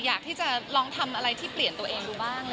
อยากที่จะลองทำอะไรที่เปลี่ยนตัวเองดูบ้าง